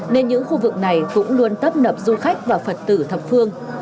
nên những khu vực này cũng luôn tấp nập du khách và phật tử thập phương